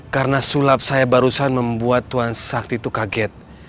karena sulap saya barusan membuat tuan sakti itu kaget